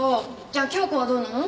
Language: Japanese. じゃあ京子はどうなの？